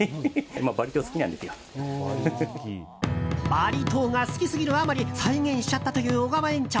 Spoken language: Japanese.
バリ島が好きすぎるあまり再現しちゃったという小川園長。